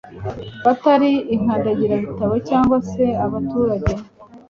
batari inkandagirabitabo cyangwa se abaturage